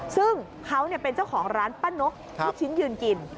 ซึ่งเขาเป็นเจ้าของร้านป้านกลูกชิ้นยืนกิน